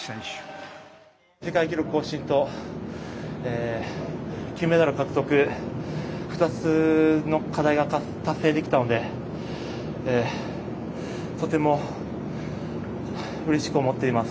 世界記録更新と金メダル獲得２つの課題が達成できたのでとてもうれしく思っています。